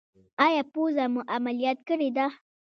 ایا پوزه مو عملیات کړې ده؟